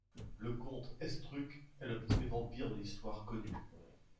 Le Comte Estruc est le premier vampire de l'histoire connue.